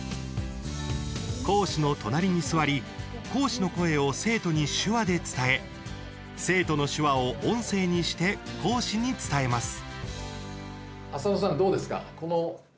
講師の隣に座り講師の声を生徒に手話で伝え生徒の手話を音声にして講師に伝えます。